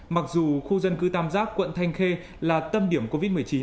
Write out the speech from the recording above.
mặc dù khu dân cư tam giác quận thanh khê là tâm điểm covid một mươi chín